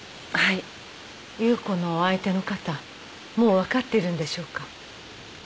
夕子のお相手の方もう分かっているんでしょうか？